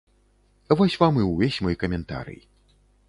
Вось вам і ўвесь мой каментарый.